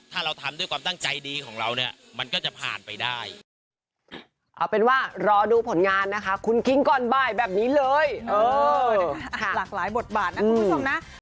ถ้าเราทำด้วยความตั้งใจดีของเราเนี่ยมันก็จะผ่านไปได้